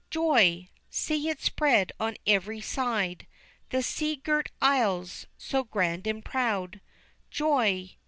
Joy! See it spread on every side The sea girt Isles, so grand and proud, Joy!